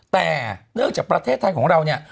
แต่เนื่องจากประเทศไทยของเราเนี่ย